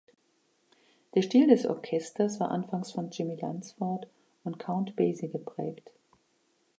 Der Stil des Orchesters war anfangs von Jimmie Lunceford und Count Basie geprägt.